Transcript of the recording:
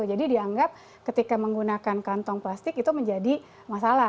dianggap ketika menggunakan kantong plastik itu menjadi masalah